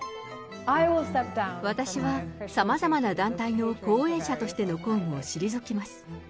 私はさまざまな団体の後援者としての公務を退きます。